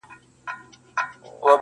• که مرغه وو که ماهی د ده په کار وو -